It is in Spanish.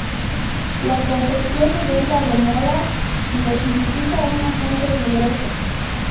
La confección y venta de "molas" les significa una fuente de ingresos.